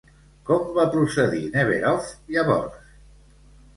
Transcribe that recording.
Com va procedir Neverov llavors?